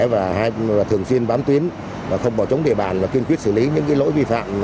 và thường xuyên bám tuyến và không bỏ trống địa bàn và kiên quyết xử lý những lỗi vi phạm